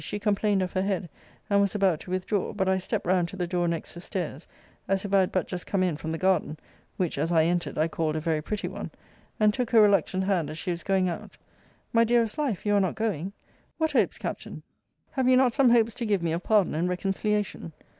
She complained of her head; and was about to withdraw: but I stept round to the door next the stairs, as if I had but just come in from the garden (which, as I entered, I called a very pretty one) and took her reluctant hand as she was going out: My dearest life, you are not going? What hopes, Captain? Have you not some hopes to give me of pardon and reconciliation?